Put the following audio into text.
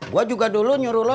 gue juga dulu nyuruh lo